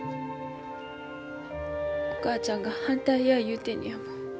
お母ちゃんが反対や言うてんのやもん。